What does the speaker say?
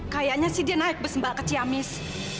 kayaknya sih dia naik bus mbak ke ciamis